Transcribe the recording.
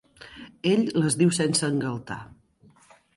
Ell les diu sense engaltar.